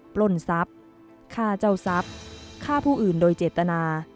ปล้นทรัพย์ฆ่าเจ้าทรัพย์ฆ่าผู้อื่นโดยเจตนา